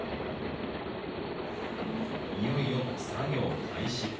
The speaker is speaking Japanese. いよいよ作業開始。